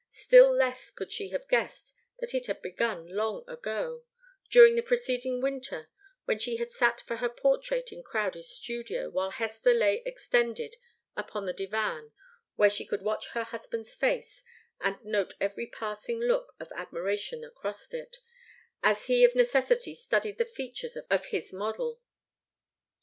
Still less could she have guessed that it had begun long ago, during the preceding winter, when she had sat for her portrait in Crowdie's studio, while Hester lay extended upon the divan where she could watch her husband's face, and note every passing look of admiration that crossed it, as he of necessity studied the features of his model.